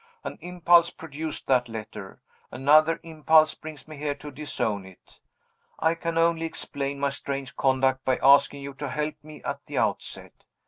An impulse produced that letter. Another impulse brings me here to disown it. I can only explain my strange conduct by asking you to help me at the outset.